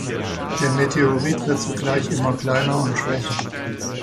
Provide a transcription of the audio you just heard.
Der Meteoroid wird zugleich immer kleiner und schwächer.